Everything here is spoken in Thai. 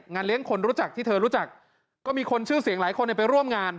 เลี้ยงคนรู้จักที่เธอรู้จักก็มีคนชื่อเสียงหลายคนไปร่วมงาน